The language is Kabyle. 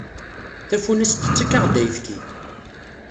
Tafunast tettak-aɣ-d ayefki.